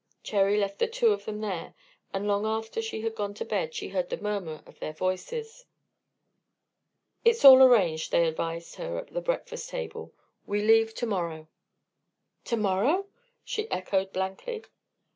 Cherry left the two of them there, and long after she had gone to bed she heard the murmur of their voices. "It's all arranged," they advised her at the breakfast table. "We leave to morrow." "To morrow?" she echoed, blankly.